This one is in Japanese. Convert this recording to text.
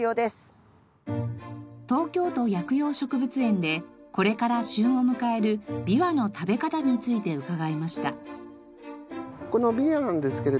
東京都薬用植物園でこれから旬を迎えるビワの食べ方について伺いました。